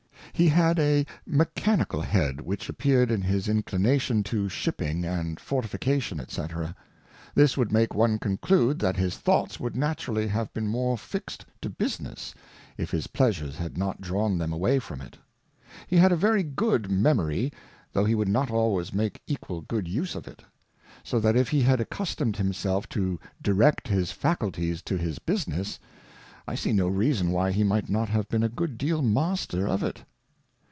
HE had a Mechanical Head, which appeared in his Inclination to Shipping and Fortification, <^c. This would make one conclude, that his Thoughts would naturally have been more fixed to Business, if his Pleasures had not drawn them away from it. He had a very good Memory, though he would not always make equal good Use of it. So that if he had accustomed himself to direct his Faculties to his Business, I see no Reason why he might not have been a good deal Master of it.